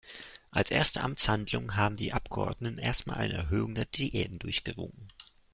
Als erste Amtshandlung haben die Abgeordneten erst mal eine Erhöhung der Diäten durchgewunken.